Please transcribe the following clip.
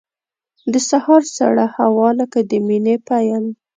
د سهار سړه هوا لکه د مینې پیل.